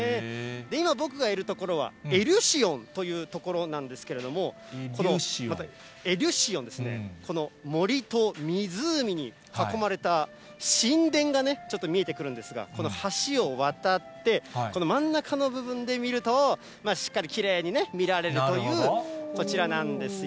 今、僕がいる所は、エリュシオンという所なんですけれども、このエリュシオンですね、この森と湖に囲まれた、神殿がね、ちょっと見えてくるんですが、この橋を渡って、この真ん中の部分で見ると、しっかりきれいに見られるというこちらなんですよ。